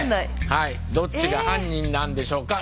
はいどっちが犯人なんでしょうか？